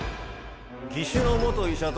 義手の元医者と、